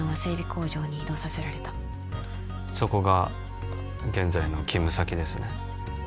工場に異動させられたそこが現在の勤務先ですね